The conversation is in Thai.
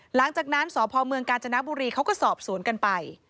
หลังจากนั้นสพกาญจนักบุรีเขาก็สอบศูนย์กันไป